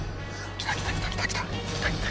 来た来た来た来た！